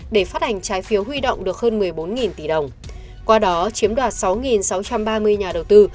để phát hành trái phiếu huy động được hơn một mươi bốn tỷ đồng qua đó chiếm đoạt sáu sáu trăm ba mươi nhà đầu tư